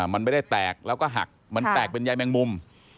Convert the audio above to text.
มันไม่ได้แตกแล้วก็หักมันแตกเป็นใยแมงมุม